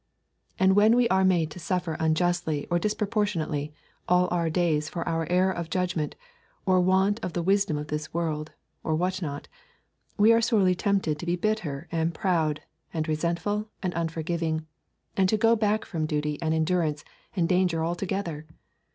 And when we are made to suffer unjustly or disproportionately all our days for our error of judgment or our want of the wisdom of this world, or what not, we are sorely tempted to be bitter and proud and resentful and unforgiving, and to go back from duty and endurance and danger altogether.